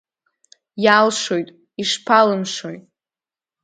Иалшоит, ишԥалымшои.